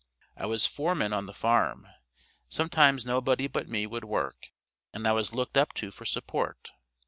I was foreman on the farm; sometimes no body but me would work, and I was looked up to for support.